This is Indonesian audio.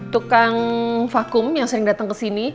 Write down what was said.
tukang vakuum yang sering dateng kesini